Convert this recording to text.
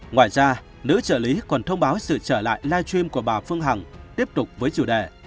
ngoài ra nữ trợ lý còn thông báo sự trở lại live stream của bà phương hằng tiếp tục với chủ đề